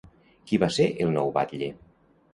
Qui va ser el nou batlle?